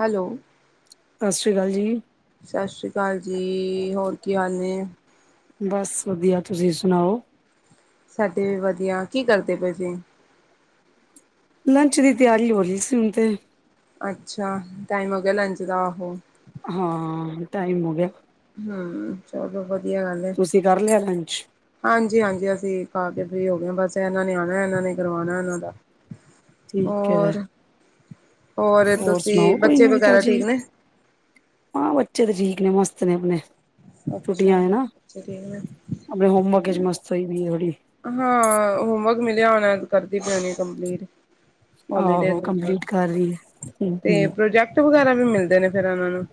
Hello. ਸਤਿ ਸ਼੍ਰੀ ਅਕਾਲ ਜੀ। ਸਤਿ ਸ੍ਰੀ ਅਕਾਲ ਜੀ, ਹੋਰ ਕੀ ਹਾਲ ਨੇ? ਬਸ ਵਧੀਆ ਤੁਸੀਂ ਸੁਣਾਓ? ਸਾਡੇ ਵੀ ਵਧੀਆ ਕੀ ਕਰਦੇ ਪਏ ਸੀ? ਲੰਚ ਦੀ ਤਿਆਰੀ ਹੋ ਰਹੀ ਸੀ ਹੁਣ ਤੇ। ਅੱਛਾ ਟਾਈਮ ਹੋ ਗਿਆ ਲੰਚ ਦਾ ਆਹੋ। ਹਾਂ, ਟਾਈਮ ਹੋ ਗਿਆ। ਹੂੰ, ਚਲੋ ਵਧੀਆ। ਵਧੀਆ ਗੱਲ ਐ ਤੁਸੀਂ ਕਰ ਲਿਆ ਲੰਚ? ਹਾਂਜੀ ਹਾਂਜੀ, ਅਸੀਂ ਖਾ ਕੇ ਫੀ ਹੋ ਗਏ ਆ ਬਸ। ਇਹਨਾਂ ਨੇ ਆਣਾ ਇਹਨਾਂ ਨੇ ਕਰਵਾਣਾ ਇਹਨਾਂ ਦਾ ਠੀਕ ਐ, ਹੋਰ ਹੋਰ ਤੁਸੀਂ ਸੁਣਾਓ ਕੋਈ ਬੱਚੇ ਨਵੀ ਵਗੈਰਾ ਤਾਜ਼ੀ ਠੀਕ ਨੇ ਹਾਂ ਬੱਚੇ ਤਾਂ ਠੀਕ? ਆਪਣੇ ਮਸਤ ਨੇ ਆਪਣੇ। ਅੱਛਾ। ਹਲੇ ਹੋਮਵਰਕ ਵਿੱਚ ਮਸਤ ਹੋਈ ਪਈ ਐ ਥੋੜੀ ਹਾਂ ਹੋਮਵਰਕ ਮਿਲਿਆ ਹੋਣਾ ਕਰਦੀ ਪਈ ਹੋਣੀ ਕੰਪਲੀਟ। ਹੋਲੀਡੇਜ਼ ਆਹੋ ਹੋਮਵਰਕ ਕੰਪਲੀਟ ਕਰ ਰਹੀ ਏ ਤੇ ਪ੍ਰੋਜੈਕਟ ਵਗੈਰਾ ਵੀ ਮਿਲਦੇ ਨੇ ਫਿਰ ਉਹਨਾਂ ਨੂੰ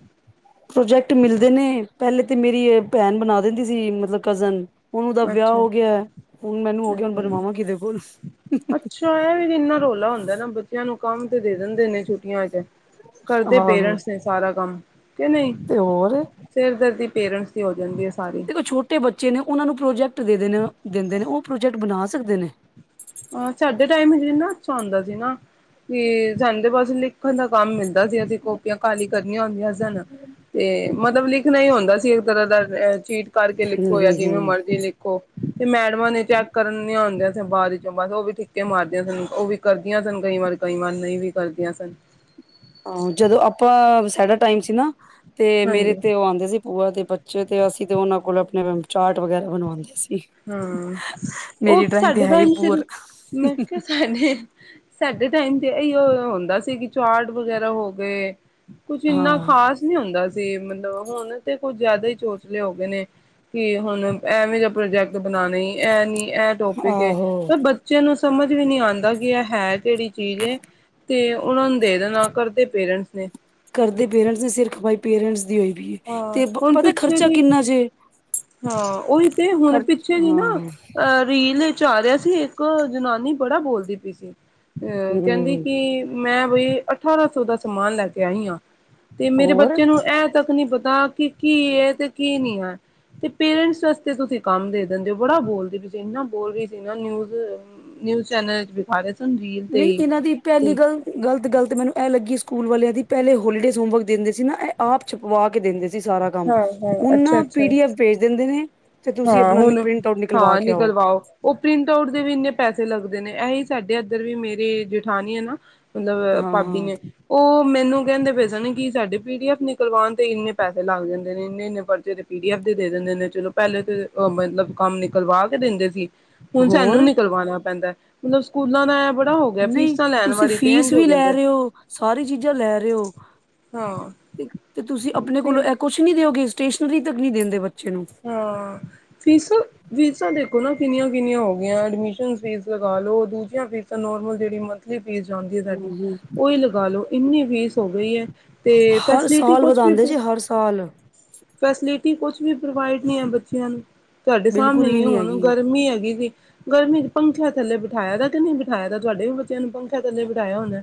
ਪ੍ਰੋਜੈਕਟ ਮਿਲਦੇ ਨੇ ਪਹਿਲੇ ਤੇ ਮੇਰੀ ਭੈਣ ਬਣਾ ਦਿੰਦੀ ਸੀ ਮਤਲਬ ਕਜ਼ਨ ਹੁਣ ਉਹਦਾ ਵਿਆਹ ਅੱਛਾ ਹੋ ਗਿਆ ਹੁਣ ਮੈਨੂੰ ਹੋ ਗਿਆ ਹੁਣ ਅੱਛਾ ਬਣਵਾਵਾਂ ਕਿਦੇ ਕੋਲ ਲਾ ਹੁੰਦੈ ਨਾ ਬੱਚਿਆਂ ਨੂੰ ਕੰਮ ਤੇ ਦੇ ਦਿੰਦੇ ਨੇ ਛੁੱਟੀਆਂ ਚ। ਕਰਦੇ ਆਹੋ ਪੇਰੈਂਟਸ ਨੇ ਸਾਰਾ ਕੰਮ ਕਿ ਨਹੀਂ ਤੇ ਹੋਰ ਸਿਰ ਦਰਦੀ ਪੇਰੈਂਟਸ ਦੀ ਹੋ ਜਾਂਦੀ ਹੈ। ਸਾਰੀ ਦੇਖੋ ਛੋਟੇ ਬੱਚੇ ਨੇ ਉਹਨਾਂ ਨੂੰ ਪ੍ਰੋਜੈਕਟ ਦੇ ਨੇ ਦਿੰਦੇ ਨੇ ਉਹ ਪ੍ਰੋਜੈਕਟ ਬਣਾ ਸਕਦੇ ਨੇ। ਇਨਾਂ ਅੰਛਾ ਹੁੰਦਾ ਸੀ ਨਾ ਕਿ ਸਾੰਨ ਤੇ ਬਸ ਲਿਖਣ ਦਾ। ਕੰਮ ਮਿਲਦਾ ਸੀ ਅਸੀਂ ਕੋਪੀਆਂ ਕਾਲੀ ਕਰਨੀਆਂ ਹੁੰਦੀਆਂ ਸਨ ਤੇ ਮਤਲਬ ਲਿਖਣਾ ਹੀ ਹੁੰਦਾ ਸੀ ਇੱਕ ਤਰ੍ਹਾਂ ਦਾ ਅ ਚੀਟ ਕਰਕੇ ਹੂੰ, ਲਿਖੋ ਜਾਂ ਹੂੰ, ਜਿਵੇਂ ਹੂੰ। ਮਰਜੀ ਲਿਖੋ ਤੇ ਮੈਡਮਾਂ ਨੇ ਚੈੱਕ ਕਰਨ ਨ ਹੁੰਦੈ ਉਹ ਵੀ ਠਿੱਕੇ ਮਾਰਦੀਆਂ ਸਨ ਉਹ ਵੀ ਕਰਦੀਆਂ ਸਨ ਕਈ ਵਾਰ ਕਈ ਵਾਰ ਨਹੀਂ ਵੀ ਕਰਦੀਆਂ ਸਨ। ਹਾਂ ਜਦੋਂ ਆਪਾਂ ਸਾਡਾ ਟਾਈਮ ਸੀ ਨਾ ਤੇ ਮੇਰੇ ਹਾਂਜੀ ਤੇ ਉਹ ਆਉਂਦੇ ਸੀ ਭੂਆ ਤੇ ਬੱਚੇ ਤੇ ਅਸੀਂ ਤੇ ਉਹਨਾਂ ਕੋਲ ਆਪਣੇ ਚਾਟ ਵਗੈਰਾ ਬਣਵਾਉਂਦੇ ਸੀ। ਹਾਂ ਉਹ ਮੇਰੀ ਡਰਾਇੰਗ ਤੇ ਸਾਡੇ ਹੈ ਤਾਂ ਹੀ ਸਿਰ ਪੂਅਰ ਮੈਂ ਕਿਹਾ ਸਾਡੇ ਸਾਡੇ ਟਾਈਮ ਤੇ ਇਹੀ ਓ ਹੁੰਦਾ ਸੀ ਕਿ ਚਾਰਟ ਵਗੈਰਾ ਹੋ ਗਏ। ਕੁਛ ਇੰਨਾ ਹਾਂ ਖ਼ਾਸ ਨੀ ਹੁੰਦਾ ਸੀ ਮਤਲਬ ਹੁਣ ਤੇ ਕੁਝ ਜਿਆਦਾ ਚੋਚਲੇ ਹੋ ਗਏ ਨੇ ਕਿ ਹੁਣ ਐਵੇਂ ਦਾ ਪ੍ਰੋਜੈਕਟ ਬਣਾਉਣੇ ਐ ਨੀ। ਇਹ ਟੋਪਿਕ ਏ ਆਹੋ। ਪਰ ਬੱਚੇ ਨੂੰ ਸਮਝ ਵੀ ਨੀ ਆਂਦਾ ਕਿ ਇਹ ਹੈ ਕਿਹੜੀ ਚੀਜ਼ ਏ ਤੇ ਉਹਨਾਂ ਨੂੰ ਦੇ ਦੇਣਾ ਕਰਦੇ ਪੇਰੈਂਟਸ ਨੇ ਕਰਦੇ ਪੇਰੈਂਟਸ ਨੇ ਸਿਰ ਖਪਾਈ ਪੇਰੈਂਟਸ ਦੀ ਹੋਈ। ਹਾਂ ਤੇ ਹੁਣ ਪਤਾ ਪਿੱਛੇ ਖਰਚਾ ਜੀ ਕਿੰਨਾ ਜੇ ਹਾਂ ਉਹੀ ਤੇ ਹੁਣ ਖਰਚ ਪਿੱਛੇ ਜ ਨਾ ਹਾਂ ਅ ਰੀਲ ਚ ਆ ਰਿਹਾ ਸੀ ਇੱਕ ਜਨਾਨੀ ਬੜਾ ਬੋਲਦੀ ਪਈ ਸੀ ਅਹ ਕਹਿੰਦੀ ਹੂੰ ਕਿ ਮੈਂ ਬਈ ਅਠਾਰਾਂ ਸੌ ਦਾ ਸਮਾਨ ਲੈ ਕੇ ਆਈ ਆਂ ਤੇ ਮੇਰੇ ਹੋਰ ਬੱਚੇ ਨੂੰ ਇਹ ਤੱਕ ਨਹੀਂ ਪਤਾ ਕਿ ਕੀ ਏ ਤੇ ਕੀ ਨਹੀਂ ਹੈ। ਤੇ ਪੇਰੈਂਟਸ ਵਾਸਤੇ ਤੁਸੀਂ ਕੰਮ ਦੇ ਦਿੰਦੇ ਹੋ ਬੜਾ ਬੋਲਦੇ ਇਨਾ ਬੋਲ ਰਹੀ ਸੀ ਨਾ ਨਿਊਜ਼ ਨਿਊਜ਼ ਚੈਨਲ ਤੇ ਵਿਖਾ ਸਨ ਰੀਲ ਤੇ ਨਹੀਂ ਹੀ ਇਹਨਾਂ ਦੀ ਪਹਿਲੀ ਤੇ ਗੱਲ ਗ਼ਲਤ ਗੱਲ ਤੇ ਮੈਨੂੰ ਇਹ ਲੱਗੀ। ਸਕੂਲ ਵਾਲਿਆਂ ਦੀ ਪਹਿਲੇ ਹੋਲੀਡੇਜ਼ ਹੋਮਵਰਕ ਦਿੰਦੇ ਸੀ ਨਾ ਇਹ ਆਪ ਛੁਪਵਾ ਕੇ ਦਿੰਦੇ ਸੀ। ਸਾਰਾ ਕੰਮ ਹਾਂ ਹਾਂ ਹੁਣ ਅੱਛਾ ਨਾ ਪੀ ਅੱਛਾ ਡ ਐਫ ਭੇਜ ਦਿੰਦੇ ਨੇ। ਤੇ ਤੁਸੀਂ ਹਾਂ ਆਪਣਾ ਹੁਣ ਪ੍ਰਿੰਟ ਆਊਟ ਨਿਕਲਵਾ ਹਾਂ ਕੇ ਆਓ ਨਿਕਲਵਾਓ ਉਹ ਪ੍ਰਿੰਟ ਆਊਟ ਦੇ ਵੀ ਇੰਨੇ ਪੈਸੇ ਲੱਗਦੇ ਨੇ ਇਹ- ਸਾਡੇ ਇੱਧਰ ਵੀ ਮੇਰੇ ਜੇਠਾਣੀ ਆ ਨਾ ਮਤਲਬ ਹਾਂ ਭਾਬੀ ਹਾਂ ਨੇ ਉਹ ਮੈਨੂੰ ਕਹਿੰਦੇ ਪੇ ਸਨ ਕਿ ਸਾਡੇ ਪੀ ਡ ਐਫ ਨਿਕਲਵਾਣ ਕਰਵਾਉਣ ਤੇ ਇੰਨੇ ਪੈਸੇ ਲੱਗ ਜਾਂਦੇ ਨੇ ਇੰਨੇ ਇੰਨੇ ਪਰਚੇ ਤੇ ਪੀ ਡੀ ਐਫ ਦੇ ਦਿੰਦੇ ਨੇ ਚਲੋ ਪਹਿਲੇ ਤੇ ਮਤਲਬ ਕੰਮ ਨਿਕਲਵਾ ਕੇ ਦਿੰਦੇ ਸੀ ਹੁਣ ਸਾਨੂੰ ਹੋਰ ਨਿਕਲਵਾਣਾ ਪੈਂਦੈ। ਮਤਲਬ ਸਕੂਲਾਂ ਦਾ ਬੜਾ ਹੋ ਗਿਆ ਨਹੀਂ ਫੀਸਾਂ ਲੈਣ ਤੁਸੀਂ ਵਾਰੀ ਤੇ ਫੀਸ ਇੰਝ ਵੀ ਹੋ ਲੈ ਜਾਂਦੇ ਰਹੇ ਹੋ ਸਾਰੀ ਚੀਜ਼ਾਂ ਲੈ ਰਹੇ ਹੋ ਹਾਂ ਤੇ ਤੁਸੀਂ ਆਪਣੇ ਕੋਲੋਂ ਫਿਰ ਇਹ ਕੁਛ ਨੀ ਦਿਓਗੇ ਸਟੇਸ਼ਨਰੀ ਤੱਕ ਨਹੀਂ ਦਿੰਦੇ ਬੱਚੇ ਨੂੰ ਹਾਂ ਫੀਸ ਫੀਸਾਂ ਦੇ ਸਕੂਲ ਕਿੰਨੀਆਂ ਕਿੰਨੀਆਂ ਹੋ ਗਈਆਂ ਐਡਮਿਸ਼ਨ ਫੀਸ ਲਗਾ ਲਉ ਦੂਜੀਆਂ ਫੀਸਾਂ ਨੋਰਮਲ ਜਿਹੜੀ ਮੰਥਲੀ ਫੀਸ ਜਾਂਦੀ ਹੈ ਸਾਡੀ ਹਮ, ਹਮ। ਉਹੀ ਲਗਾ ਲੋ ਇੰਨੀ ਫੀਸ ਹੋ ਗਈ ਹੈ ਤੇ ਹਰ ਫੈਸਿਲਿਟੀ ਸਾਲ ਕੁਛ ਵੀ ਵਧਾਉਂਦੇ ਜੇ ਹਰ ਸਾਲ ਫੈਸਿਲਿਟੀ ਕੁਛ ਵੀ ਪ੍ਰੋਵਾਈਡ ਨਹੀਂ ਹੈ ਬੱਚਿਆਂ ਨੂੰ ਤੁਹਾਡੇ ਬਿਲਕੁਲ ਵੀ ਸਾਹਮਣੇ ਨੀ ਹੁਣ ਹੈਗੀ ਗਰਮੀ ਹੈਗੀ ਸੀ ਗਰਮੀ ਚ ਪੰਖਿਆਂ ਥੱਲੇ ਬਿਠਾਇਆ ਦਾ ਕਿ ਨਹੀਂ ਬਿਠਾਇਆ ਤਾਂ ਤੁਹਾਡੇ ਵੀ ਬੱਚਿਆਂ ਨੂੰ ਪੰਖਿਆਂ ਥੱਲੇ ਬਿਠਾਇਆ ਹੋਣੈ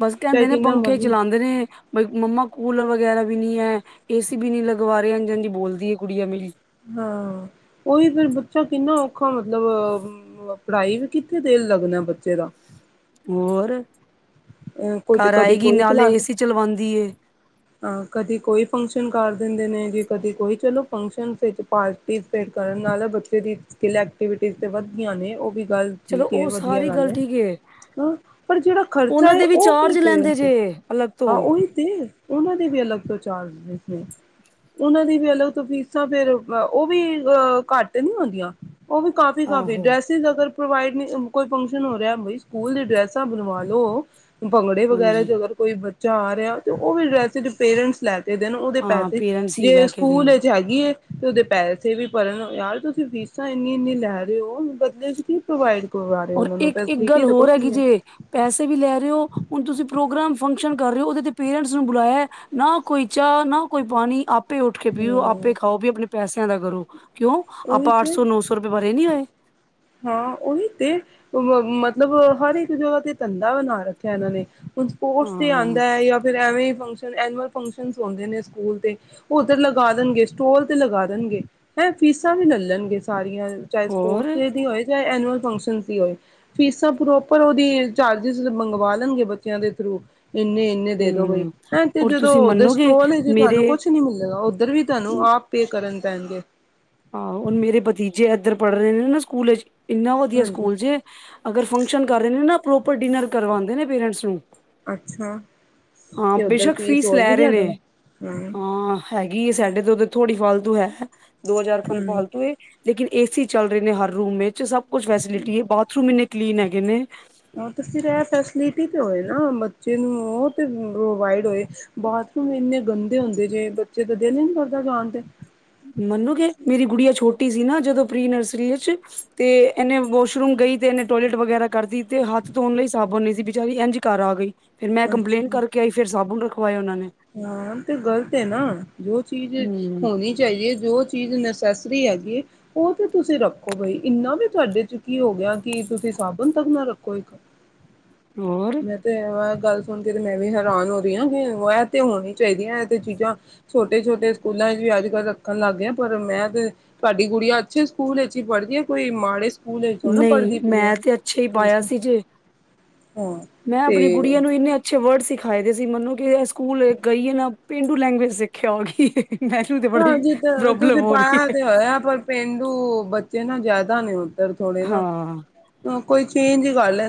ਬਸ ਕਹਿੰਦੇ ਨੇ ਪੰਖੇ ਚਲਾਂਦੇ ਨੇ ਬਈ ਮੰਮਾ ਕੂਲਰ ਵ ਵਗੈਰਾ ਵੀ ਨੀ ਹੈ ਏਸੀ ਵੀ ਨੀ ਲਗਵਾ ਰਹੇ ਇੰਝ ਇੰਝ ਬੋਲਦੀ ਹੈ ਕੁੜੀਆਂ ਮੇਰੀ ਹਾਂ ਉਹੀ ਫੇਰ ਬੱਚਾ ਕਿੰਨਾ ਔਖਾ ਮਤਲਬ ਪੜ੍ਹਾਈ ਵੀ ਕਿੱਥੇ ਦੇ ਲੱਗਦਾ ਬੱਚੇ ਦਾ? ਹੋਰ। ਹਾਂ ਕੋਈ, ਘਰ ਦਿੱਕਟ ਆਏਗੀ ਕੋਈ ਨਈ, ਫਿਲ ਨਾਲੇ ਹਾਲਤ ਏਸੀ ਚਲਵਾਉਂਦੀ ਏ ਕਦੀ ਕੋਈ ਫਗਸ਼ਨ ਕਰ ਦਿੰਦੇ ਨੇ, ਜੇ ਕਦੇ ਕੋਈ ਚਲੋ ਫੰਕਸ਼ਨ ਵਿੱਚ ਪਾਰਟੀਸਪੇਟ, ਕਰਨ ਨਾਲ ਬੱਚੇ ਦੀ ਸਿਲੈਕਟ ਐਕਵਿਟੀ ਤੇ, ਵੱਧ ਗਈਆਂ ਨੇ ਉਹ ਵੀ ਗੱਲ ਚਲੋ ਠੀਕ ਹੈ, ਉਹ ਵਧੀਆ ਸਾਰੀ ਗੱਲ ਹੈ, ਠੀਕ ਏ ਹਾਂ ਪਰ ਜਿਹੜਾ ਖਰਚ? ਉਹਨਾਂ ਚਾਹੇ ਦੇ ਵੀ ਉਹ ਫਿਰ ਚਾਰਜ ਲੈਂਦੇ ਚਰਜਿਜ਼ ਨੇ, ਜੇ ਅਲੱਗ ਤੋਂ ਉਹਨਾਂ ਦੀ ਏ ਲੋਕ, ਫੀਸਾਂ ਫੇਰ ਉਹ ਵੀ ਘੱਟ ਨਹੀਂ ਹੁੰਂਦੀਆਂ। ਉਹ ਵੀ, ਕਾਫੀ ਕਾਫੀ ਆਹੋ ਡੈਸੀ ਨਗਰ। ਪ੍ਰੋਵਾਈਡ ਨਹੀਂ, ਕੋਈ ਫੰਕਸ਼ਨ ਹੋ ਰਿਹਾ, ਬਈ ਸਕੂਲ ਦੀ ਡਰੈੱਸਾਂ ਬਣਵਾ ਲਉ? ਭੰਗੜੇ, ਵਗੈਰਾ ਹਾਂਜੀ ਚ ਅਗਰ ਕੋਈ ਬੱਚਾ ਆ ਰਿਹਾ, ਤੇ ਉਹ ਵੀ ਡਰੈਸ ਪੇਰੈਂਟਸ ਲੈ ਦੇ ਦੇਣ, ਉਹਦੇ ਹਾਂ ਪੈਸੇ ਪੇਰੈਂਟਸ ਹੀ ਜੇ ਲੈ ਕੇ ਦੇਣ ਸਕੂਲ ਵਿੱਚ ਹੈਗੀ ਏ। ਤੇ ਉਹਦੇ, ਪੈਸੇ ਵੀ ਭਰਨ, ਯਾਰ ਤੁਸੀਂ ਫੀਸਾਂ ਇੰਨੀਆਂ ਇੰਨੀਆਂ ਲੈ ਰਹੇ ਹੋ, ਬਦਲੇ ਚ ਕੀ ਪ੍ਰੋਵਾਈਡ ਕਰਵਾ ਰਹੇ ਹੋ ਔਰ ਉਹਨਾਂ ਨੂੰ ਇੱਕ ਇੱਕ ਫੈਸਿਲਿਟੀ ਗੱਲ, ਤਾਂ ਕੁਛ ਹੋਰ ਹੈਗੀ ਨੀ ਹੈ। ਜੇ, ਪੈਸੇ ਵੀ ਲੈ ਰਹੇ ਹੋ, ਹੁਣ ਤੁਸੀਂ ਪ੍ਰੋਗਰਾਮ ਫੰਕਸ਼ਨ ਕਰ ਰਹੇ ਹੋ, ਉਹਦੇ ਤੇ ਪੇਰੈਂਟਸ ਨੂੰ ਬੁਲਾਇਆ, ਨਾ ਕੋਈ ਚਾਹ ਨਾ ਕੋਈ ਪਾਣੀ, ਆਪ ਆਪੇ ਉੱਠ ਕੇ, ਪੀਓ ਆਪੇ ਹੂੰ ਖਾਓ, ਵੀ ਆਪਣੇ ਪੈਸਿਆਂ ਦਾ ਕਰੋ। ਕਿਉਂ ਉਹੀ ਆਪਾਂ ਅੱਠ ਤੇ ਸੌ ਨੌ ਸੌ ਰੁਪਏ ਮਾਰੇ ਨੀ ਹੋਏ। ਹਾਂ ਉਹੀ ਤੇ, ਮਤਲਬ ਹਰ ਇੱਕ ਜਗ੍ਹਾ ਤੇ ਧੰਦਾ ਬਣਾ ਰੱਖਿਆ ਇਹਨਾਂ ਨੇ [inaudible] ਹੁਣ ਸਪੋਰਟਸ, ਤੇ ' ਹਾਂ ਆਉਂਦਾ ਏ ਜਾਂ ਫਿਰ ਐਵੇਂ ਫਗਸ਼ਨ ਐਨੂਵਲ ਫੰਕਸ਼ਨ ਹੁੰਦੇ ਨੇ ਸਕੂਲ ਤੇ, ਹੁਣ ਤੇ ਲਗਾ ਦੇਣਗੇ ਸਟੋਲ ਤੇ ਲਗਾ ਐ ਫੀਸਾਂ ਵੀ, ਲੈ ਲੈਣਗੇ ਸਾਰੀਆਂ, ਚਾਹੇ ਹੋਰ ਸਪੋਰਟਸ ਦੀ ਹੋਏ ਚਾਹੇ ਐਨੂਅਲ ਫੰਕਸ਼ਨ ਦੀ ਹੋਏ ਫੀਸਾਂ ਪ੍ਰੋਪਰ ਉਹਦੀ ਚਾਰਜਿਸ ਮੰਗਵਾ ਲਣਗੇ ਬੱਚਿਆਂ ਦੇ ਥਰੂ ਇੰਨੇ ਇੰਨੇ ਦੇ ਦੋ ਬਈ, ਹਮ ਹੈਂ ਤੇ ਔਰ ਤੁਸੀਂ ਜਦੋਂ ਦੀ ਮੰਨੋਗੇ ਸਟੋਲ ਵਿੱਚ ਤੁਹਾਨੂੰ ਮੇਰੇ ਕੁਛ ਨੀ ਮਿਲੇਗਾ। ਉੱਧਰ ਵੀ ਤੁਹਾਨੂੰ ਆਪੇ ਕਰਨ ਪੈਣਗੇ। ਆਹੋ ਹੁਣ ਮੇਰੇ ਭਤੀਜੇ ਇੱਧਰ ਪੜ੍ਹ ਰਹੇ ਨੇ ਨਾ ਸਕੂਲ ਵਿੱਚ [unintelligible] ਇੰਨਾ, ਵਧੀਆ ਹਾਂਜੀ ਸਕੂਲ ਜੇ, ਅਗਰ ਫੰਕਸ਼ਨ ਕਰਦੇ ਨੇ ਨਾ ਪ੍ਰੋਪਰ ਡਿਨਰ ਕਰਵਾਉਂਦੇ ਨੇ ਪੇਰੈਂਟਸ ਨੂੰ। ਅੱਛਾ ਹਾਂ, ਤੇ ਉੱਧਰ ਬੇਸ਼ੱਕ ਫੀਸ ਹੋਰ ਲੈ ਵੀ ਰਹੇ ਜ਼ਿਆਦਾ ਨੇ, ਹਮ ਹਾਂ ਹੈਗੇ ਏ ਸਾਡੇ ਤੋ ਤੇ ਥੋੜੀ ਫਾਲਤੂ ਹੈ, ਦੋ ਚਾਰ ਖੰਨ ਹਮ ਫਾਲਤੂ। ਲੇਕਿਨ ਏ ਸੀ ਚੱਲ ਰਹੇ ਨੇ ਹਰ ਰੂਮ ਵਿੱਚ ਸਭ ਕੁਛ ਫੈਸਿਲਿਟੀ ਹੈ ਬਾਥਰੂਮ ਇੰਨੇ ਕਲੀਨ ਹੈਗੇ ਨੇ [inaudible] ਹਾਂ ਤੇ, ਫਿਰ ਇਹ ਫੈਸਿਲਿਟੀ ਤੇ ਹੋਏ ਨਾ, ਬੱਚੇ ਨੂੰ ਉਹ ਤੇ, ਪ੍ਰੋਵਾਈਡ ਹੋਏ ਬਾਥਰੂਮ, ਇੰਨੇ ਗੰਦੇ ਹੁੰਦੇ ਜੇ, ਬੱਚੇ ਦਾ ਮੰਨੋਗੇ, ਮੇਰੀ ਗੁੜੀਆ ਛੋਟੀ ਸੀ ਨਾ ਜਦੋਂ, ਪ੍ਰੀ ਨਰਸਰੀ ਵਿੱਚ ਤੇ, ਇਹਨੇ ਵਾਸ਼ਰੂਮ ਗਈ ਤੇ ਐਨੇ, ਟੋਇਲੇਟ ਵਗੈਰਾ ਕਰ ਤੀ, ਤੇ ਹੱਥ ਧੋਣ ਲਈ ਸਾਬਣ ਨਹੀਂ ਸੀ। ਬਿਚਾਰੀ ਐੰਝ ਈ ਘਰ ਆ ਗਈ। ਫੇਰ ਮੈਂ, ਕੰਪਲੇਂਟ ਕਰਕੇ ਆਈ ਫਿਰ ਸਾਬੁਨ ਰਖਵਾਏ ਔਨਾਂ ਨੇ। ਹਾਂਅ, ਤੇ ਗ਼ਲਤ ਏਨਾ, ਜੋ ਚੀਜ਼ ਹੂੰ ਹੋਣੀ ਚਾਹੀਦੀ ਏ ਜੋ ਚੀਜ਼ ਨਸੈਸਰੀ ਹੈਗੀ ਏ, ਔਤੇ ਤੁਸੀਂ ਰੱਖੋ ਬਈ, ਇੰਨਾ ਵੀ ਤੁਹਾਡੇ ਚ ਕੀ ਹੋ ਗਿਆ ਕਿ ਤੁਸੀਂ, ਸਾਬਣ ਤੱਕ ਨਾ ਰੱਖੋ, ਇੱਕ। ਹੋਰ ਮੈਂ ਤੇ, ਅ ਐ ਗੱਲ ਸੁਣ ਕੇ ਤੇ ਮੈਂ ਵੀ ਹੈਰਾਨ ਹੋ ਗਈ ਆਂ, ਕਿ ਵੈ ਤੇ ਹੋਣੀ ਚਾਹੀਦੀਆਂ, ਐ ਤੇ ਚੀਜ਼ਾਂ ਛੋਟੇ-ਛੋਟੇ ਸਕੂਲਾਂ ਚ ਵੀ, ਅੱਜ-ਕੱਲ ਰੱਖਣ ਲੱਗ ਗੇ ਐ, ਪਰ ਮੈਂ ਤੇ ਸਾਡੀ ਗੁੜੀਆਂ, ਅੱਛੇ ਸਕੂਲ ਏਚ ਈ ਪੜ੍ਹਦੀ ਏ, ਕੋਈ ਮਾੜੇ ਸਕੂਲ ਵਿੱਚ ਨਾ ਨਹੀਂ, ਪੜ੍ਹਦੀ ਪਈ ਮੈਂ ਹੈ। ਤੇ ਅੱਛੇ ਹੀ ਪਾਇਆ ਸੀ ਜੇ‌। ਹਾਂ ਮੈਂ ਤੇ ਅਪਣੀ ਗੁੜੀਆਂ ਨੂੰ, ਇੰਨੇ ਅੱਛੇ ਵਰਡਸ ਸਿਖਾਏ ਦੇ ਸੀ ਮਨੋਗੇ, ਐ ਸਕੂਲ ਗਈਏ ਨਾ ਪੇਂਡੂ ਲੈਂਗੁਏਜ, ਸਿਖ ਕੇ ਆ ਗੀ ਏ। ਹਾਜੀ, ਤੇ ਤੁਸੀਂ ਪਾਇਆ ਹੈ ਤੇ, ਹੋਇਆ ਪਰ ਪੇਂਡੂ ਬੱ ਏ ਨਾ ਜਿਆਦਾ ਨੇ ਔਧਰ, ਥੋੜੇ ਨਾ, ਹਾਂ ਅ ਕੋਈ ਚੇਂਜ ਈ ਕਰਲੇ।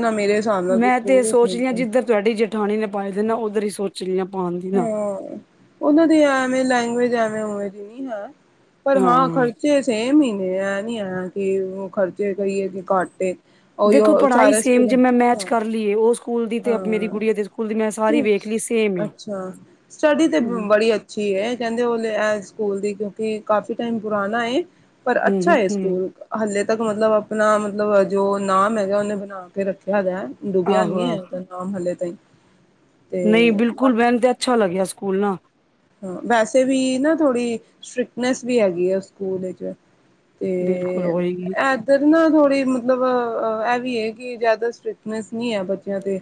ਮੈਂ ਤੇ ਸੋਚ ਰੀਆ ਜਿੱਧਰ ਤੁਹਾਡੀ ਜੇਠਾਣੀ ਨੇ ਪਾਏ ਦੇ ਨਾ ਔਧਰ ਹੀ ਸੋਚ ਰੀ ਆ। [unintelligible] ਹਾਂ, ਔਨਾਂ ਦੀ ਐਵੇਂ ਲੈਂਗੁਏਜ, ਐਵੇਂ ਉਵੇ ਦੀ ਨੀ ਹੈ। ਪਰ ਹਾਂ ਖਰਚੇ ਸੇਮ ਹੀ। [inaudible] ਤੇ ਐ ਨੀ, [inaudible] ਹੈ ਕਿ ਉਹ ਖਰਚੇ ਕਹੀਏ ਕਿ ਘਾੱਟ ਏ। ਦੇਖੋ, ਉਹੀਓ ਪੜ੍ਹਾਈ ਸਾਰਾ ਸੇਮ ਸਕੂਲ ਜੇ ਮੈਂ ਮੈਚ ਹਾਂ ਕਰ ਲੀਏ, ਓਹ ਸਕੂਲ ਦੀ ਤੇ ਅਪ ਮੇਰੀ ਹਾਂ ਗੁੜੀਆਂ ਦੇ ਸਕੂਲ ਦੀ, ਮੈਂ ਸਾਰੀ ਵੇਖ ਲਈ ਸੇਮ ਹੈ ਅੱਛਾ, ਸਟੱਡੀ ਤੇ ਹਮ ਬੜੀ ਅੱਛੀ ਏ। ਕੈੰਦੇ ਓਲੇ ਐ ਸਕੂਲ ਦੀ, ਕਿਉਂਕਿ ਕਾਫੀ ਟਾਈਮ ਪੁਰਾਣਾ ਏ, ਪਰ ਹਮ ਅੱਛਾ ਹਮ ਏ ਹਮ ਸਕੂਲ। ਹਲੇ ਤੱਕ ਮਤਲਬ, ਅਪਣਾ ਮਤਲਬ ਜੋ ਨਾਮ ਹੈਗ, ਓਨੇ ਬਣਾ ਕੇ ਰੱਖਿਆ ਵੈ, ਡੁੱਬਿਆ ਆਹੋ ਨਹੀਂ ਹੈ ਆਹੋ ਹਲੇ ਤ ਨਾਮ ਹਲੇ ਤੇ। ਨਹੀਂ ਬਿਲਕੁਲ ਬਾ ਮੈਨੂੰ ਤੇ ਅੱਛਾ ਲੱਗਿਆ ਸਕੂਲ ਨਾ। ਹਾਂ, ਵੈਸੇ ਵੀ ਨਾ, ਥੋੜ੍ਹੀ ਸਟ੍ਰਿਕਟਨੈਸ ਵੀ ਹੈਗੀ ਏ। ਓਸ ਸਕੂਲ ਵਿੱਚ। ਤੇ ਬਿਲਕੁਲ ਹੋਏਗੀ ਐਧਰ ਨਾ ਥੋੜ੍ਹੀ ਮਤਲਬ ਅ ਐਵੀ ਏ? ਕਿ ਜ਼ਿਆਦਾ ਸਟ੍ਰਿਕਟਨੈਸ ਨਹੀ ਹੈ ਬੱਚਿਆਂ ਤੇ।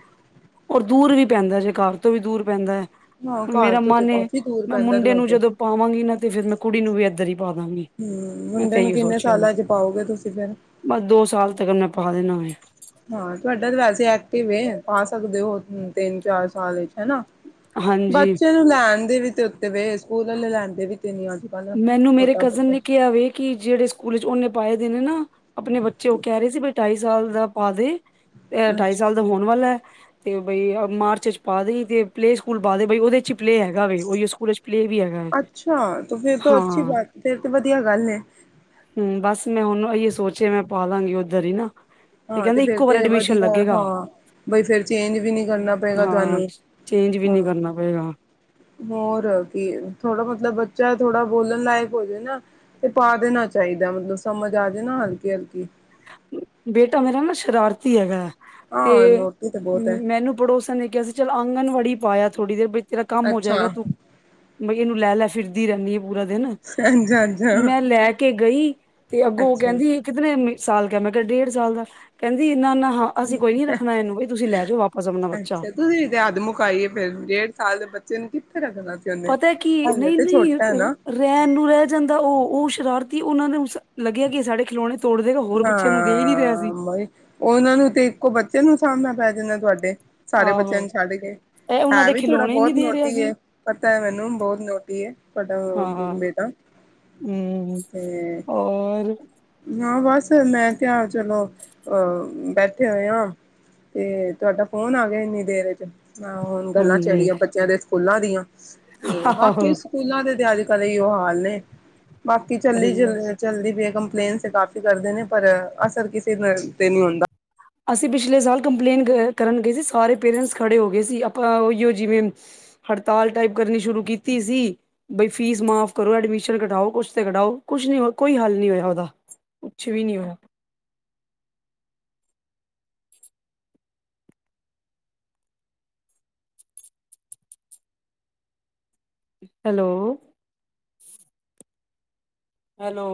ਔ ਦੂਰ ਵੀ ਪੈਂਦਾ ਜੇ। ਘਰ ਤੋਂ ਵੀ ਦੂਰ ਪੈਂਦਾ। ਹਾਂ ਘਰ ਮੇਰਾ ਤੋਂ ਤੇ ਮਨ ਏ, ਕਾਫ਼ੀ ਦੂਰ ਮੈਂ ਪੈਂਦਾ ਮੁੰਡੇ ਨੂੰ ਤੁਹਾਡੇ ਜਦੋਂ ਪਾਵਾਂਗੀ ਨਾ, ਤੇ ਫੇਰ ਮੈਂ ਕੁੜੀ ਨੂੰ ਵੀ ਐਧਰ ਹੀ? ਪਾ ਦਾਗੀਂ, ਹਮ ਮੈਂ ਮੁੰਡੇ ਤੇ ਨੂੰ ਇਹੀ ਕਿੰਨੇ ਸੋਚਿਆ ਵੈ। ਸਾਲਾਂ ਚ ਪਾਓਗੇ ਤੁਸੀਂ ਫਿਰ ਬਸ ਦੋ ਸਾਲ ਤੱਕਣ ਮੈਂ? ਪਾ ਦੇਨਾ ਵੇਂ। ਹਾਂ, ਤੁਹਾਡਾ ਤੇ ਵੈਸੇ ਐਕਟਿਵ ਏ, ਪਾ ਸਕਦੇ ਹੋ? ਤਿਨ ਚਾਰ ਸਾਲ ਵਿੱਚ ਹੈਨਾ। ਹਾਂਜੀ ਬੱਚੇ ਨੂੰ ਲੈਣ ਦੇ ਵੀ ਤੇ ਉੱਤੇ ਵੇ, ਸਕੂਲ ਆਲੇ ਲੈੰਦੇ ਵੀ ਤੇ? ਨੀ ਅੱਜ ਕੱਲ ਮੈਨੂੰ ਮੇਰੇ ਛੋਟਾ ਕਜ਼ਨ ਬੱਚਾ ਨੇ ਕਿਹਾ ਵੇ, ਕਿ ਜੇੜੇ ਸਕੂਲ ਵਿੱਚ ਓਨੇ ਪਾਏ ਦੇ ਨੇ ਨਾ ਅਪਣੇ ਬੱਚੇ ਓਹ ਕੈ ਰੇ ਸੀ, ਬਈ ਢਾਈ ਸਾਲ ਦਾ ਪਾਦੇ। ਤੇ ਐ ਢਾਈ ਅੱਛਾ ਸਾਲ ਦਾ ਹੋਣ ਵਾਲਾ ਹੈ। ਤੇ ਔ ਬਈ ਮਾਰਚ ਏਚ ਪਾ ਦਈ। ਤੇ ਪਲੇਅ ਸਕੂਲ ਪਾ ਦੇ ਭਈ ਉਹਦੇ 'ਚੀ ਪਲੇਅ ਹੈਗਾ ਵੇ। ਫਔਈਔ ਸਕੂਲ ਵਿੱਚ ਪਲੇਅ ਵੀ ਹੈਗ। ਤੋਂ ਅੱਛੀ ਬਾਤ, ਫਿਰ ਤੇ ਵਧੀਆ ਗੱਲ ਏ। ਹੂੰ, ਬਸ ਮੈਂ ਹੁਣ ਓਈ ਸੋਚਿਆ ਮੈਂ ਪਾਦਾਂਗੀ ਔਧਰ ਹੀ ਨਾ। ਹਾਂ, ਤੇ ਕਹਿੰਦੇ ਫੇਰ ਇੱਕੋ ਵਾਰ ਤੇ ਐਡਮਿਸ਼ਨ ਵਧੀਐ। ਲੱਗੇਗਾ ਹਾਂ, ਬਈ ਫੇਰ ਚੇਂਜ ਵੀ ਨੀ ਕਰਨਾ ਪਏਗਾ ਹਾਂ ਤੁਹਾਨੂੰ। ਚੇਂਜ ਵੀ ਨੀ ਹਾਂ ਕਰਨਾ ਪਏਗਾ। ਹੋਰ ਕੀ ਥੋੜਾ ਮਤਲਬ ਬੱਚਾ ਥੋੜਾ ਬੋਲਣ ਲਾਇਕ ਹੋ ਜਾਏ ਨਾ ਤੇ ਪਾ ਦੇਣਾ ਚਾਹੀਦਾ ਹੈ। ਈਦਾ ਮਤਲਬ ਸਮਝ ਆ ਜਾਏ ਨਾ ਹਲਕੀ-ਹਲਕੀ? ਬੇਟਾ ਮੇਰਾ ਨਾ ਸ਼ਰਾਰਤੀ ਹੈਗ। ਹਾਂ ਤੇ ਨੋਟੀ ਬਹੁਤ ਹੈ ਮੈਨੂੰ ਪੜੋਸਨ ਨੇ ਕਿਹਾ ਸੀ, ਚੱਲ ਆਂਗਣਵਾੜੀ ਪਾਯਾ ਥੋੜ੍ਹੀ ਦੇਰ ਬਈ ਤੇਰਾ ਕੰਮ ਹੋ ਜਾਏਗਾ, ਅੱਛਾ ਤੂੰ ਬਈ ਇਨੂੰ ਲੈ- ਲੈ ਫਿਰਦੀ ਰੈਣੀ ਏ। ਪੂਰਾ ਦਿਨ, ਅੱਛਾ ਅੱਛਾ ਮੈਂ ਲੈ ਕੇ ਗਈ, ਤੇ ਅੱਗੋਂ ਓਹ ਅੱਛਾ ਕੈੰਦੀ ਏ ਕਿਤਨੇ ਸਾਲ ਕਾ ਹੈ? ਮੈਂ ਕਿਹਾ ਡੇਢ ਸਾਲ ਦਾ ਕੈੰਦੀ ਨਾ ਨਾ। ਹਾਂ, ਅਸੀਂ ਕੋਈ ਨੀ ਰੱਖਣਾ ਐਨੂੰ ਬਈ ਤੁਸੀਂ ਲੈ ਜੋ ਵਾਪਸ ਅਪਣਾ ਬੱਚਾ। ਅੱਛਾ ਤੁਸੀਂ ਤੇ ਹੱਦ ਮੁਕਾਈ ਏ ਫੇਰ ਡੇਢ ਸਾਲ ਦੇ ਬੱਚੇ ਨੂੰ ਕਿੱਥੇ ਰੱਖਣਾ ਸੀ ਉਹਨੇ ਪਤਾ ਕਿ ਹਾਲੇ ਨਹੀਂ- ਤੇ ਨਹੀਂ ਛੋਟਾ ਹੈ ਨਾ ਰੈਣ ਨੂੰ ਰੈ ਜਾਂਦਾ ਔ। ਔ ਸ਼ਰਾਰਤੀ ਏ ਓਨਾਂ ਦੇ ਉਸ। ਲੱਗਿਆ ਕਿ ਏ ਸਾਡੇ ਖਿਲੌਣੇ? ਤੋੜ ਦੇਗਾ ਹੋਰ ਬੱਚਿਆਂ ਨੂੰ ਦੇ ਹੀ ਨੀ ਰਿਹਾ ਸੀ ਹਾਂ, ਓਈ ਓਹਨਾਂ ਨੂੰ ਤੇ ਇੱਕੋ ਬੱਚੇ ਨੂੰ ਸਾਂਭਣਾ ਪੈ ਜਾਂਣਾ ਤੁਹਾਡੇ। ਸਾਰੇ ਆਹੋ ਬੱਚਿਆਂ ਨੂੰ ਛੱਡ ਕੇ ਇਹ ਉਹਨਾਂ ਹੈ ਦੇ ਵੀ ਥੋੜਾ ਖਿਲੌਣੇ ਨੀ ਬਹੁਤ ਦੇ ਰਿਹਾ ਨੋਟੀ ਸੀ ਹੈ, ਪਤਾ ਹੈ ਮੈਨੂੰ ਬਹੁਤ ਨੋਟੀ ਹੈ, ਤੁਹਾਡਾ ਹਾਂ ਬੇਟਾ। ਹਮ ਤੇ ਔਰ ਨਾ ਬਸ ਬਸ ਮੈਂ ਕਿਹਾ ਚਲੋ ਅ ਬੈਠੇ ਹੋਏ ਹਾਂ। ਤੇ ਤੁਹਾਡਾ ਫੋਨ ਆ ਗਿਆ ਇੰਨੀ ਦੇਰ ਚ। ਮੈਂ ਹੁਣ ਗੱਲਾਂ ਹਾਂਜੀ ਚੜੀਆਂ ਬੱਚਿਆਂ ਦੇ ਸਕੂਲਾਂ ਦੀਆਂ ਤੇ ਬਾਕੀ ਆਹੋ ਸਕੂਲਾਂ ਦੇ ਤੇ ਅੱਜ ਕਰ ਉਹ ਹਾਲ ਨੇ ਬਾਕੀ ਸਹੀ ਆ ਚੱਲ ਚੱਲਦੀ ਪਈ ਕੰਪਲੇਨਸ ਕਾਫੀ। ਕਰਦੇ ਨੇ ਪਰ ਅਸਰ ਕਿਸੇ ਤੇ ਨਹੀਂ ਹੁੰਦਾ। ਅਸੀਂ ਪਿਛਲੇ ਸਾਲ ਕੰਪਲੇਟ ਕਰਨ ਗਏ ਸੀ। ਸਾਰੇ ਪੇਰੈਂਟਸ ਖੜੇ ਹੋ ਗਏ ਸੀ, ਆਪਾਂ ਉਹੀਓ ਜਿਵੇਂ ਹੜਤਾਲ ਟਾਈਪ ਕਰਨੀ ਸ਼ੁਰੂ ਕੀਤੀ ਸੀ, ਬਈ ਫੀਸ ਮਾਫ਼ ਕਰੋ, ਐਡਮਿਸ਼ਨ ਘਟਾਓ, ਕੁਛ ਤੇ ਘਟਾਓ। ਕੁਛ ਨੀ ਹੋ ਕੋਈ ਹੱਲ ਨੀ ਹੋਇਆ ਦਾ ਕੁਛ ਵੀ ਨੀ ਹੋਇਆ। ਹੈਲੋ? ਹੈਲੋ?